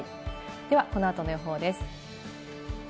では、この後の予報です。